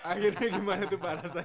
akhirnya gimana tuh pak